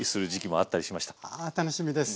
あ楽しみです。